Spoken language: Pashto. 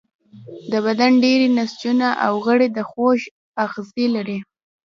د بدن ډیری نسجونه او غړي د خوږ آخذې لري.